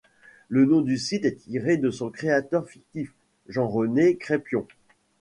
Le nom du site est tiré de son créateur fictif, Jean-René Craypion.